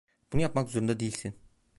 Bunu yapmak zorunda değilsin.